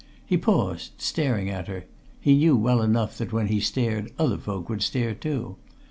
He paused, staring at her he knew well enough that when he stared other folk would stare too.